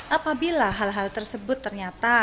apabila hal hal tersebut ternyata